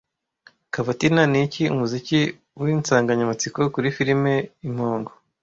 Cavatina niki umuziki winsanganyamatsiko kuri firime Impongo